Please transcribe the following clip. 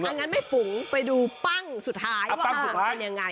งั้นแม่ปุ๋งไปดูปั้งสุดท้ายว่าเป็นยังไง